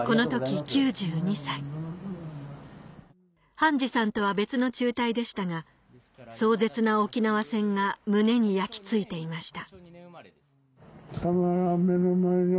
半次さんとは別の中隊でしたが壮絶な沖縄戦が胸に焼きついていました